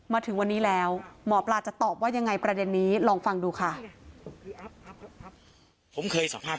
มาถึงวันนี้แล้วหมอปลาจะตอบว่ายังไงประเด็นนี้ลองฟังดูค่ะ